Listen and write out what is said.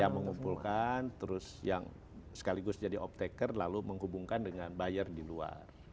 yang mengumpulkan terus yang sekaligus jadi optaker lalu menghubungkan dengan buyer di luar